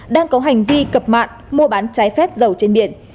đang có hành vi cập mạng mua bán trái phép dầu trên biển